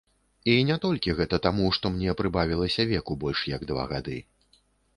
І не толькі гэта таму, што мне прыбавілася веку больш як два гады.